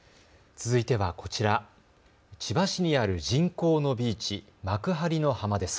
続いてはこちら、千葉市にある人工のビーチ、幕張の浜です。